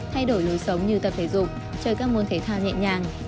thay đổi lối sống như tập thể dục chơi các môn thể thao nhẹ nhàng